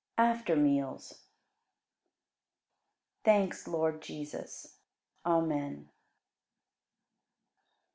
After Meals. 48. Thanks, Lord Jesus! Amen.